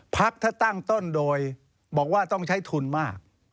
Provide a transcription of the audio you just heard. พักถ้าตั้งต้นโดยบอกว่าต้องใช้ทุนมาก